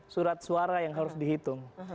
satu lima ratus surat suara yang harus dihitung